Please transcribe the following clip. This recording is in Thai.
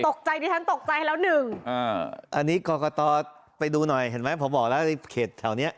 ดิฉันตกใจแล้วหนึ่งอ่าอันนี้กรกตไปดูหน่อยเห็นไหมพอบอกแล้วในเขตแถวเนี้ย